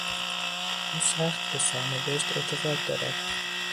او سخت به سرنوشت اعتقاد دارد.